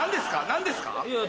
何ですか？